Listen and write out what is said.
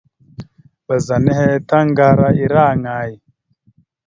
Ɓəza nehe taŋga ira aŋay?